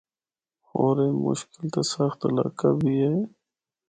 ہور اے مشکل تے سخت علاقہ بھی ہے۔